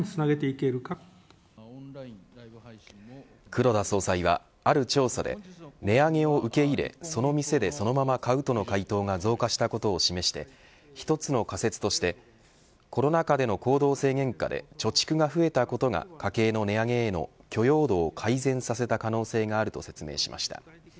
黒田総裁はある調査で、値上げを受け入れその店でそのまま買うとの回答が増加したことを示して一つの仮説としてコロナ禍での行動制限下で貯蓄が増えたことが家計の値上げの許容度を改善させた可能性があると説明しました。